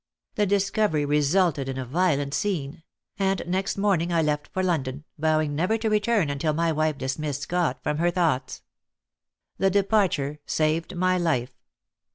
The discovery resulted in a violent scene; and next morning I left for London, vowing never to return until my wife dismissed Scott from her thoughts. The departure saved my life.